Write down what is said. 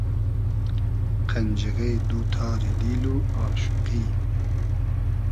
قئنجیغې دو تاری دیل و آشوقی